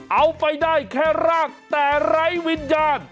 เอาไปได้แค่ร่างแต่ไร้วิญญาณ